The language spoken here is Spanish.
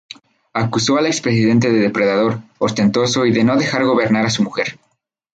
Acusó al expresidente de depredador, ostentoso y de no dejar gobernar a su mujer.